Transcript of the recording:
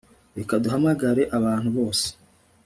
reka duhamagare abantu bose